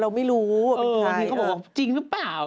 เราไม่รู้ว่าเป็นตัวที่เขาบอกว่าจริงหรือเปล่า